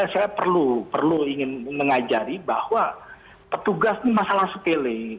saya perlu ingin mengajari bahwa petugas ini masalah sepele